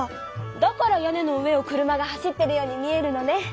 だから屋根の上を車が走ってるように見えるのね。